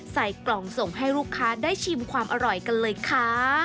ใส่กล่องส่งให้ลูกค้าได้ชิมความอร่อยกันเลยค่ะ